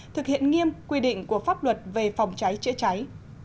thực hiện nghiêm quy định của pháp luật về phòng cháy chữa cháy